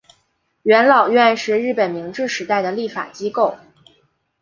元老院是日本明治时代的立法机构。